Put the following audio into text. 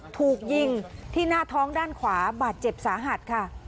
ถูกยิงที่หน้าท้องด้านขวาบาดเจ็บสาหัสค่ะ